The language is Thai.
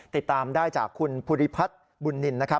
ติดตามได้จากคุณภูริพัฒน์บุญนินนะครับ